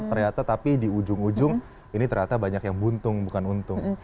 ternyata tapi di ujung ujung ini ternyata banyak yang buntung bukan untung